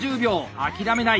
諦めない！